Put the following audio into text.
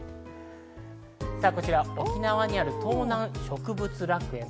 沖縄にある東南植物楽園。